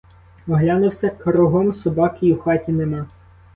Оглянувся кругом — собаки й у хаті нема.